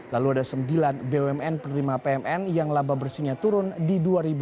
lalu ada sembilan bumn penerima pmn yang laba bersihnya turun di dua ribu dua puluh